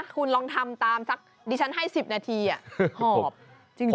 คุณลองทำตามสักดิฉันให้๑๐นาทีหอบจริง